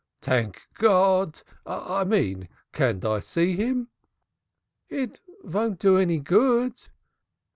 "Tank Gawd! I mean, can I see him?" "It won't do any good."